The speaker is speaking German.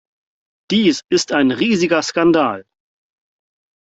Dies ist ein riesiger Skandal!